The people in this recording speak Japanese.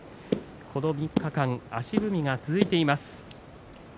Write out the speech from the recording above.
この３日間足踏みが続いています。